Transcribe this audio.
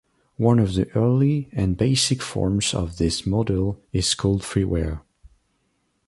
One of the early and basic forms of this model is called freeware.